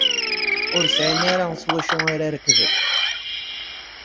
Ur sεin ara s wacu ara rekben.